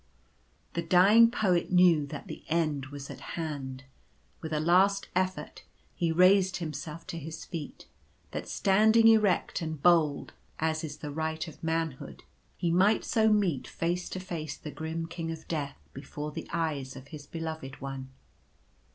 The dying Poet knew that the end was at hand. With a last effort he raised himself to his feet, that stand ing erect and bold, as is the right of manhood, he might so meet face to face the grim King of Death before the eyes of his Beloved One.